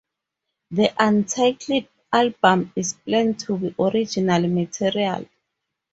The untitled album is planned to be original material.